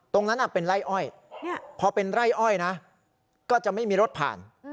ตรงนั้นเป็นไร่อ้อยพอเป็นไร่อ้อยนะก็จะไม่มีรถผ่าน